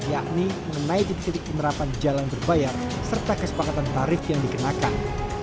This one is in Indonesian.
yakni mengenai titik titik penerapan jalan berbayar serta kesepakatan tarif yang dikenakan